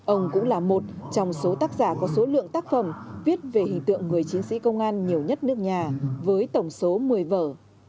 ông cũng là một trong số tác giả có số lượng tác phẩm viết về hình tượng người chiến sĩ công an nhiều nhất nước nhà với tổng số một mươi vở